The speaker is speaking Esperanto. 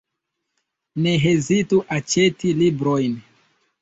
Ne hezitu aĉeti librojn!